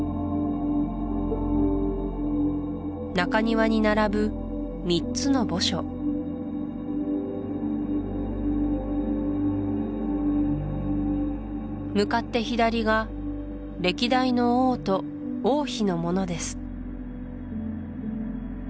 中庭にならぶ三つの墓所向かって左が歴代の王と王妃のものです